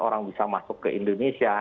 orang bisa masuk ke indonesia